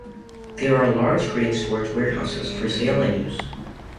There are large grain storage warehouses for sale and use.